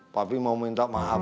papi mau minta maaf